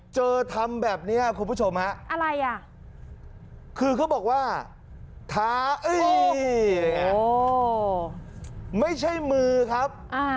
เจอทำแบบนี้คุณผู้ชมค่ะคือเขาบอกว่าไม่ใช่มือครับ